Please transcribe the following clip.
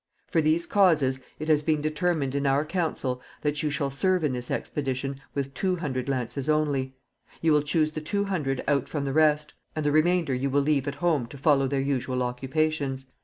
For these causes, it has been determined in our council that you shall serve in this expedition with two hundred lances only. You will choose the two hundred out from the rest, and the remainder you will leave at home to follow their usual occupations.